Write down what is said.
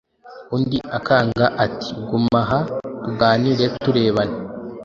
undi akanga; ati «Guma aha tuganire turebana,